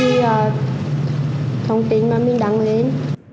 vì thông tin mà mình đăng lên